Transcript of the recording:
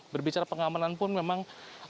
berbicara pengamanan pun memang